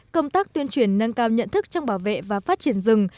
công tác tuyên truyền nâng cao nhận thức trong bảo vệ và phát triển rừng